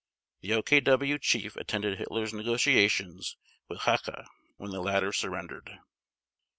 The OKW Chief attended Hitler's negotiations with Hacha when the latter surrendered.